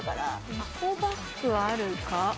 エコバッグはあるか。